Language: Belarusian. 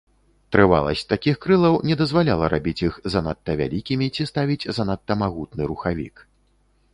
Трываласць такіх крылаў не дазваляла рабіць іх занадта вялікімі ці ставіць занадта магутны рухавік.